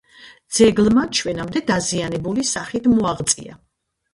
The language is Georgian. ძეგლმა ჩვენამდე დაზიანებული სახით მოაღწია.